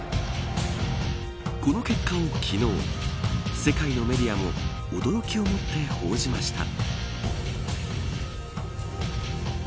この結果を昨日世界のメディアも驚きをもって報じました。